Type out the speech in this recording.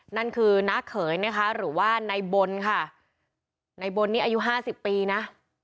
นั่นคือน้าเขยนะคะหรือว่าในบนค่ะในบนนี้อายุห้าสิบปีนะ